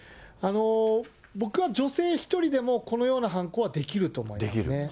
僕は女性１人でも、このような犯行はできると思いますね。